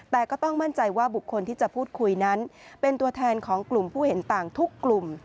แต่ก็ต้องมั่นใจว่าบุคคลที่จะพูดคุยนั้นเป็นตัวแทนของกลุ่มผู้เห็นต่างทุกกลุ่ม